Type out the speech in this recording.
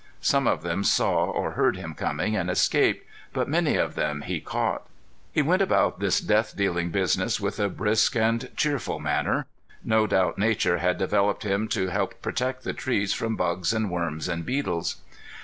Some of them saw or heard him coming and escaped, but many of them he caught. He went about this death dealing business with a brisk and cheerful manner. No doubt nature had developed him to help protect the trees from bugs and worms and beetles.